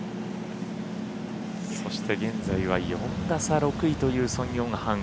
そして現在は４打差６位というソン・ヨンハン。